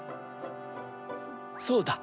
そうだ！